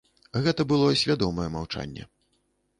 Гэта было свядомае маўчанне.